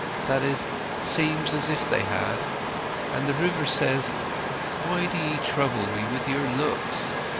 —that is, seem as if they had. And the river says,—'Why do ye trouble me with your looks?